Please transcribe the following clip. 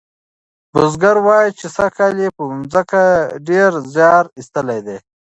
بزګر وایي چې سږکال یې په مځکه کې ډیر زیار ایستلی دی.